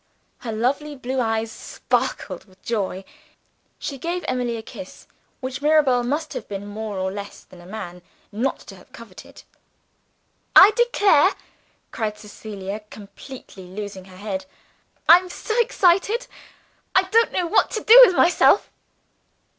Her lovely blue eyes sparkled with joy; she gave Emily a kiss which Mirabel must have been more or less than man not to have coveted. "I declare," cried Cecilia, completely losing her head, "I'm so excited, I don't know what to do with myself!"